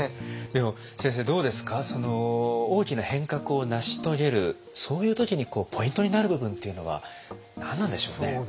でも先生どうですかその大きな変革を成し遂げるそういう時にポイントになる部分っていうのは何なんでしょうね？